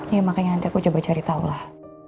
ya makanya nanti aku coba cari tahu lah